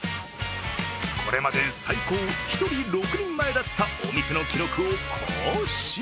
これまで最高１人６人前だったお店の記録を更新。